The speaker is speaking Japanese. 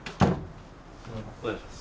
お願いします。